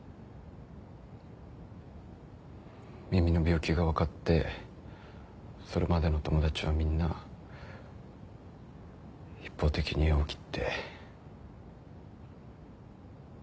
耳の病気が分かってそれまでの友達はみんな一方的に縁を切って。